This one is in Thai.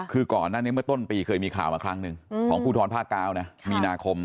คือก่อนเมื่อต้นปีเคยมีข่าวมาครั้งหนึ่งของผู้ท้อนภาคเกานะมีนาคม